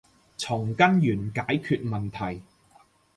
從根源解決問題